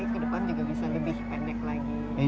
ke depan bisa lebih pendek lagi